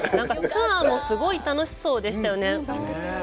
ツアーもすごい楽しそうでしたよね。